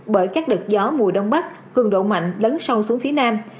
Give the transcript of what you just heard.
bởi các đợt gió mùi đông bắc hương độ mạnh lấn sâu xuống phía nam